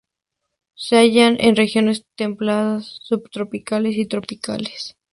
Se hallan en regiones templadas, subtropicales y tropicales.